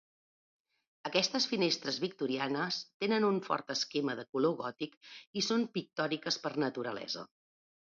Aquestes finestres victorianes tenen un fort esquema de color gòtic i són pictòriques per naturalesa.